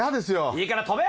いいから跳べ！